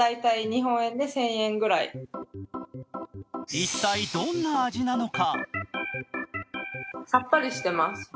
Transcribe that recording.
一体、どんな味なのか？